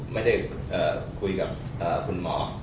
ไม่ได้คุยกับคุณหมอ